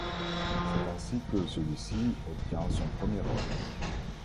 C'est ainsi que celui-ci obtient son premier rôle.